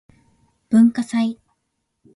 文化祭